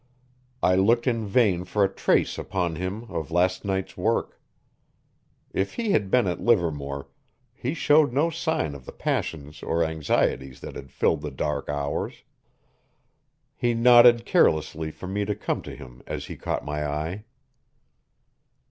I looked in vain for a trace upon him of last night's work. If he had been at Livermore, he showed no sign of the passions or anxieties that had filled the dark hours. He nodded carelessly for me to come to him as he caught my eye.